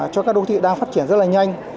cho các đô thị đang phát triển rất là nhanh